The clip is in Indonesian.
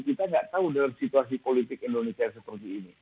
kita tidak tahu dalam situasi politik indonesia setelah ini